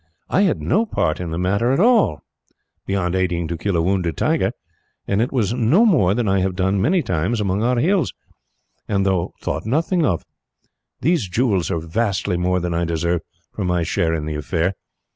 I had no part in the matter, beyond aiding to kill a wounded tiger, and it was no more than I have done, many times, among our hills, and thought nothing of. These jewels are vastly more than I deserve, for my share in the affair.